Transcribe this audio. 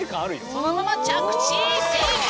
そのまま着地成功！